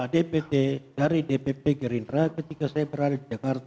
dpt dari dpp gerindra ketika saya berada di jakarta